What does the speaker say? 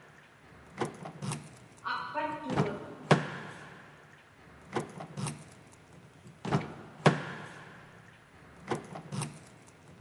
Aqpatugut.